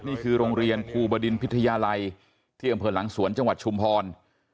โรงเรียนภูบดินพิทยาลัยที่อำเภอหลังสวนจังหวัดชุมพร